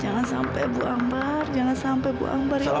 jangan sampai bu ambar jangan sampai bu ambar ya allah